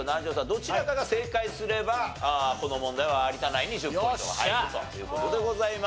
どちらかが正解すればこの問題は有田ナインに１０ポイントが入るという事でございます。